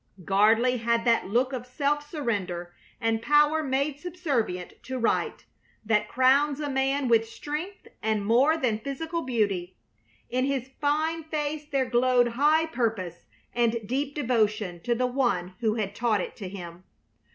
Gardley had that look of self surrender, and power made subservient to right, that crowns a man with strength and more than physical beauty. In his fine face there glowed high purpose, and deep devotion to the one who had taught it to him.